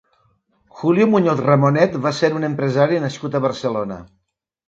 Julio Muñoz Ramonet va ser un empresari nascut a Barcelona.